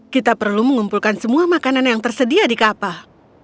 kita perlu mengumpulkan semua makanan yang tersedia di kapal